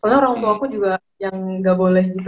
karena orang tua aku juga yang gak boleh gitu